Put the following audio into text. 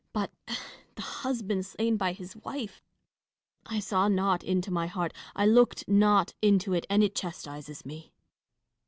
But the husband slain by his wife !— I saw not into my heart ; I looked not into it, and it chastises me. Catharine.